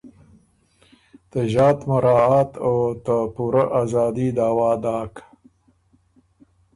ته ݫات مراعات او ته پُورۀ ازادي دعویٰ داک۔